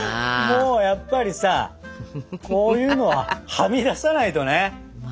もうやっぱりさこういうのははみ出さないとね。